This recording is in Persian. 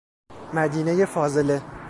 مدینه فاضله